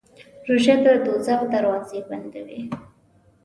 روژه د دوزخ دروازې بندوي.